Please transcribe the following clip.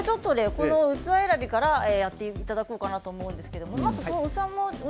この器選びとかやっていただこうかなと思います。